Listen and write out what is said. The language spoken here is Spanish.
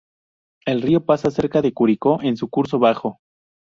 El río pasa cerca de Curicó en su curso bajo.